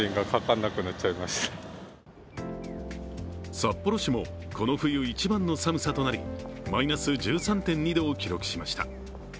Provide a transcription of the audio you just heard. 札幌市もこの冬一番の寒さとなり、マイナス１３．２度を記録しました。